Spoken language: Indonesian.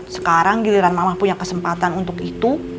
sekarang giliran mamah punya kesempatan untuk itu